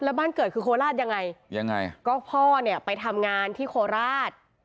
แล้วบ้านเกิดคือโคราชยังไงก็พ่อไปทำงานที่โคราช